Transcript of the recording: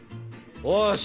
よし！